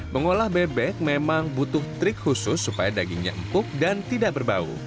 mengolah bebek memang butuh trik khusus supaya dagingnya empuk dan tidak berbau